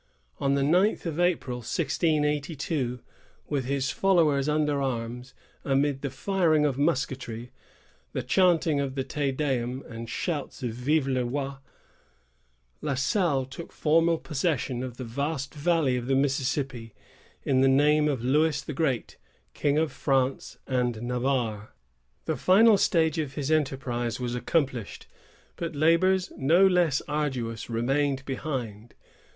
On the ninth of April, 1682, with his followers under arms, amid the firing of musketry, the chanting of the Te Deum, and shouts of "Vive le roi," La Salle took formal possession of the vast valley of the Mississippi, in the name of Louis the Great, King of France and Navarre. The first stage of his enterprise was accomplished, but labors no less arduous remained behind.